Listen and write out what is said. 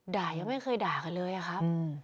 ยังไม่เคยด่ากันเลยอะครับ